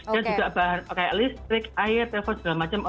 dan juga bahan kayak listrik air tefal segala macam